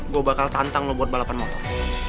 gue bakal tantang lo buat balapan motor